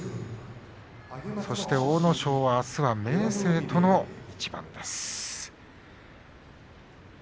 そして阿武咲はあすは明生との一番です。